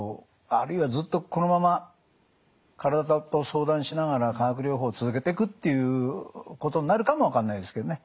あるいはずっとこのまま体と相談しながら化学療法を続けてくっていうことになるかも分かんないですけどね。